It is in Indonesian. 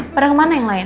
pada kemana yang lain